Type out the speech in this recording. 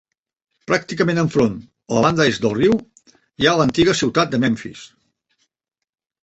Pràcticament enfront, a la banda est del riu, hi ha l'antiga ciutat de Memfis.